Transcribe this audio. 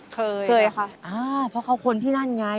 เคยนะครับเพราะเขาคนที่นั่นไง